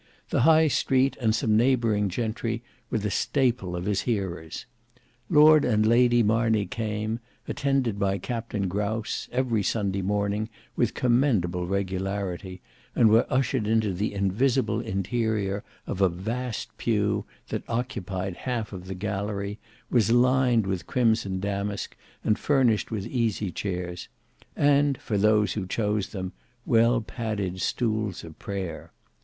The high Street and some neighbouring gentry were the staple of his hearers. Lord and Lady Marney came, attended by Captain Grouse, every Sunday morning with commendable regularity, and were ushered into the invisible interior of a vast pew, that occupied half of the gallery, was lined with crimson damask, and furnished with easy chairs, and, for those who chose them, well padded stools of prayer.